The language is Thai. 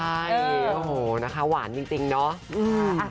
ใช่โอ้โหนะคะหวานจริงเนาะ